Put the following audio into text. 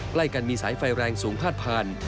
ใกล้กันมีสายไฟแรงสูงพาดผ่าน